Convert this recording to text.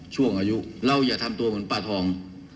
ช่วงอายุเราอย่าทำตัวเหมือนปลาทอง